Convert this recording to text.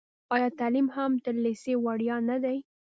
آیا تعلیم هم تر لیسې وړیا نه دی؟